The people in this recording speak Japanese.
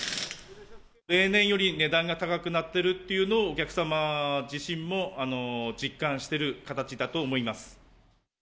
例年より値段が高くなっているというのを、お客様自身も実感してる形だと思います。